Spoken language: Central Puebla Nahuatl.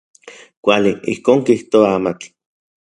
Kuali, ijkon kijtoa amatl.